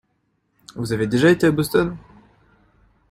Vous avez déjà été à Boston ?